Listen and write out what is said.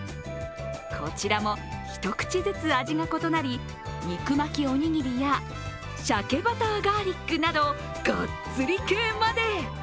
こちらも一口ずつ味が異なり、肉巻きおにぎりや鮭バターガーリックなどがっつり系まで。